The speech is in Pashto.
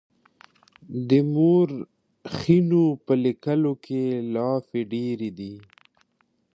د مورخينو په ليکنو کې لافې ډېرې دي.